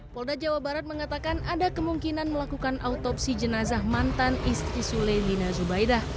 polda jawa barat mengatakan ada kemungkinan melakukan autopsi jenazah mantan istri sule lina zubaidah